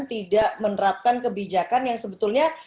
tidak menerapkan kebijakan yang sebetulnya